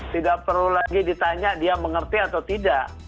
tidak perlu lagi ditanya dia mengerti atau tidak